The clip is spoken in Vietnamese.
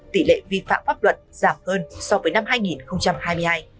tỷ lệ vi phạm pháp luật giảm hơn so với năm hai nghìn hai mươi hai